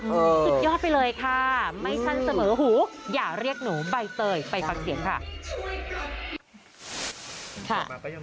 สุดยอดไปเลยค่ะไม่สั้นเสมอหูอย่าเรียกหนูใบเตยไปฟังเสียงค่ะ